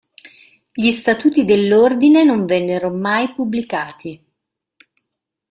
Gli statuti dell'Ordine non vennero mai pubblicati.